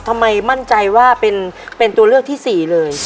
ทำไมมั่นใจว่าเป็นตัวเลือกที่๔เลย